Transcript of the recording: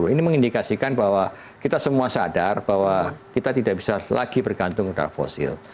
ini mengindikasikan bahwa kita semua sadar bahwa kita tidak bisa lagi bergantung pada fosil